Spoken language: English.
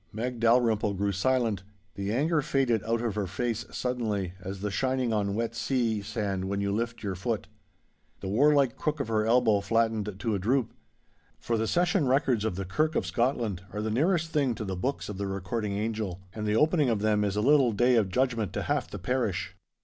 Meg Dalrymple grew silent. The anger faded out of her face suddenly as the shining on wet sea sand when you lift your foot. The warlike crook of her elbow flattened to a droop. For the Session records of the Kirk of Scotland are the nearest thing to the Books of the Recording Angel, and the opening of them is a little Day of Judgment to half the parish.